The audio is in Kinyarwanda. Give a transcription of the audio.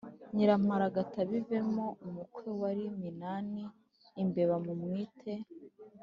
Nyiramparagatabivemo umukwe wa Minani-Imbeba mu mwite.